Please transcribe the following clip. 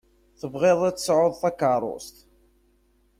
Tebɣiḍ ad tesɛuḍ takeṛṛust.